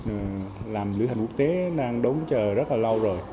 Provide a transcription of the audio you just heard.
cộng đồng du lịch làm lưu hành quốc tế đang đống chờ rất là lâu rồi